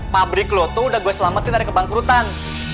pabrik lu tuh udah gue selamatin dari kebangkrutan